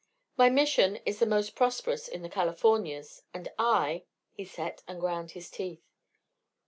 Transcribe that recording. My Mission is the most prosperous in the Californias and I " he set and ground his teeth.